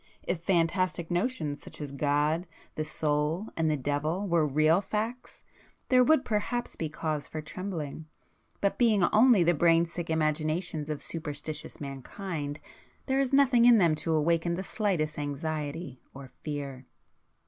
If fantastic notions such as God, the Soul, and the Devil were real facts, there would perhaps be cause for trembling, but being only the brainsick imaginations of superstitious mankind, there is nothing in them to awaken the slightest anxiety or fear."